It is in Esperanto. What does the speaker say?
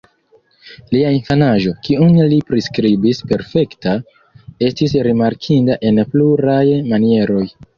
Lia infanaĝo, kiun li priskribis "perfekta", estis rimarkinda en pluraj manieroj.